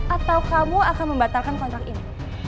atau kamu akan membatalkan kontrak ini